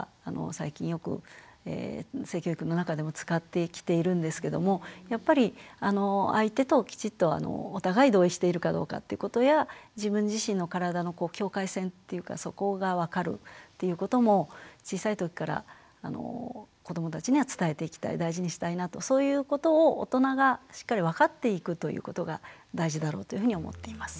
最近よく性教育の中でも使ってきているんですけどもやっぱり相手ときちっとお互い同意しているかどうかってことや自分自身の体の境界線っていうかそこが分かるっていうことも小さい時から子どもたちには伝えていきたい大事にしたいなとそういうことを大人がしっかり分かっていくということが大事だろうというふうに思っています。